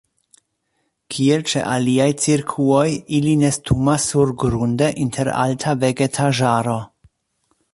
Kiel ĉe aliaj cirkuoj ili nestumas surgrunde inter alta vegetaĵaro.